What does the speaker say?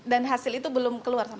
dan hasil itu belum keluar